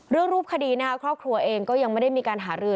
เรื่องรูปคดีนะครอบครัวเองก็ยังไม่ได้มีการหารือ